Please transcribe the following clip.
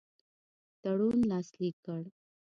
تړون لاسلیک کړ.